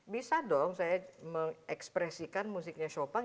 bisa dong saya mengekspresikan musiknya shopang